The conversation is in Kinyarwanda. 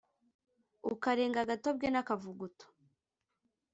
Ukarenga Agatobwe n'Akavuguto